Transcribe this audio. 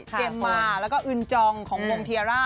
มาแล้วก็อึนจองของวงเทียร่า